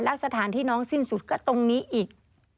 แล้วสถานที่น้องสิ้นสุดก็ตรงนี้อีก